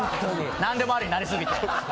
何でもあり、なりすぎて。